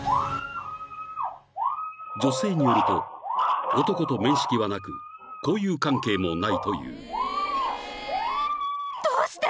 ［女性によると男と面識はなく交友関係もないと言う］